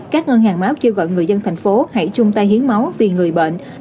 các ngân hàng máu kêu gọi người dân thành phố hãy chung tay hiến máu vì người bệnh